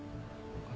あ。